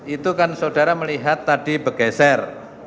itu kan saudara melihat tadi bergeser